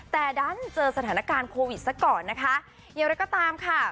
แต่ดันเจอสถานการณ์โควิดสักก่อนนะคะเดี๋ยวแล้วก็ตามค่ะ